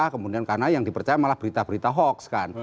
kemudian karena yang dipercaya malah berita berita hoax kan